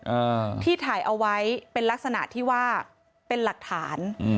อ่าที่ถ่ายเอาไว้เป็นลักษณะที่ว่าเป็นหลักฐานอืม